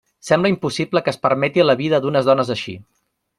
Sembla impossible que es permeta la vida d'unes dones així.